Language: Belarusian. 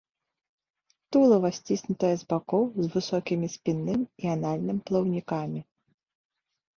Тулава сціснутае з бакоў, з высокімі спінным і анальным плаўнікамі.